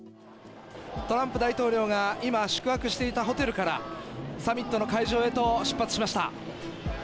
トランプ大統領が今、宿泊していたホテルから、サミットの会場へと出発しました。